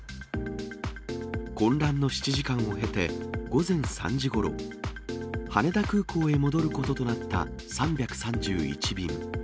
混乱の７時間をへて、午前３時ごろ、羽田空港へ戻ることとなった３３１便。